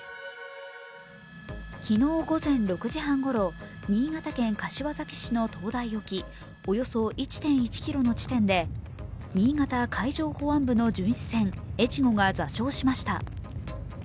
昨日午前６時半ごろ、新潟県柏崎市の灯台沖、およそ１．１ｋｍの地点で新潟海上保安部の巡視船「えちご」が座礁しました。